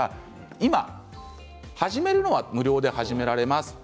今、始めるのは無料で始められます。